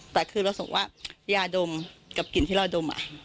แต่คือเราส่งว่ายาดมกับกลิ่นที่เราดม